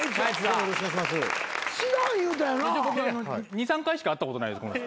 ２３回しか会ったことないです。